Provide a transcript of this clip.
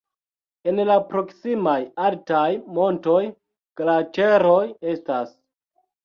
En la proksimaj altaj montoj glaĉeroj estas.